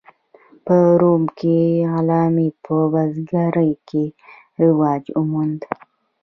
په روم کې غلامي په بزګرۍ کې رواج وموند.